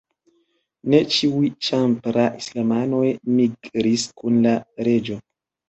Ne ĉiuj Ĉampa-islamanoj migris kun la reĝo.